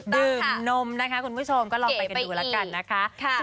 ดื่มนมนะคะคุณผู้ชมก็ลองไปกันดูแล้วกันนะคะ